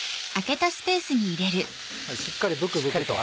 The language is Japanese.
しっかりブクブクと。